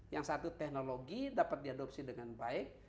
yang satu teknologi dapat diadopsi dengan baik